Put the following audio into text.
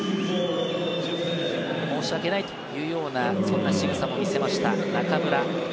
申し訳ないというようなしぐさを見せました中村。